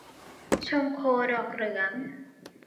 ชงโคดอกเหลือง